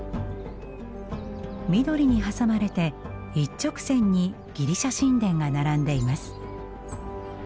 緑に挟まれて一直線にギリシャ神殿が並んでいます。